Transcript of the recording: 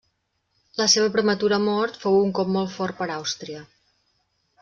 La seva prematura mort fou un cop molt fort per Àustria.